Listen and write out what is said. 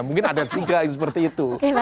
mungkin ada tiga yang seperti itu